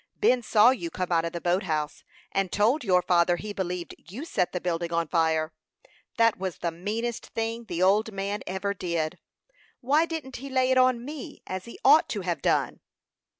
Ben saw you come out of the boat house, and told your father he believed you set the building on fire. That was the meanest thing the old man ever did. Why didn't he lay it to me, as he ought to have done?"